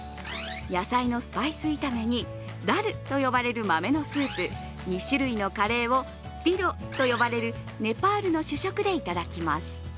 野菜のスパイス炒めにダルと呼ばれる豆のスープ、２種類のカレーをディドと呼ばれるネパールの主食でいただきます。